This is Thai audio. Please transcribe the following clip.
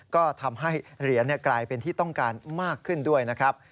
ก็ทำให้เหรียญกลายเป็นที่ต้องการมากขึ้นด้วยนะครับ